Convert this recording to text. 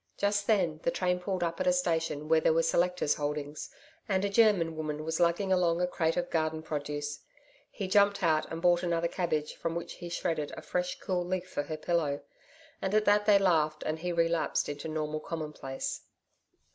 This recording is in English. Just then, the train pulled up at a station where there were selectors' holdings, and a German woman was lugging along a crate of garden produce. He jumped out and bought another cabbage from which he shredded a fresh cool leaf for her pillow. And at that they laughed and he relapsed into normal commonplace.